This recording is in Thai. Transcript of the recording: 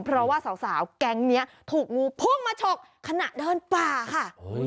เพราะว่าสาวแก๊งนี้ถูกงูพุ่งมาฉกขณะเดินป่าค่ะ